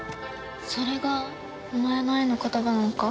それがお前の愛の言葉なのか？